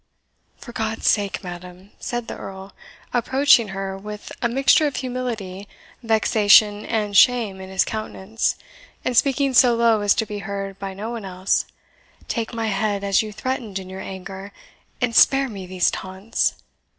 "For God's sake, madam," said the Earl, approaching her with a mixture of humility, vexation, and shame in his countenance, and speaking so low as to be heard by no one else, "take my head, as you threatened in your anger, and spare me these taunts!